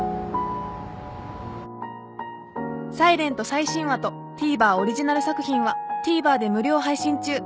［『ｓｉｌｅｎｔ』最新話とＴＶｅｒオリジナル作品はＴＶｅｒで無料配信中］